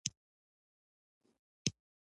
د دې غمجن بېلتون خبر د خلکو تر غوږونو ورسېد.